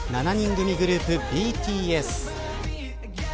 ７人組グループＢＴＳ。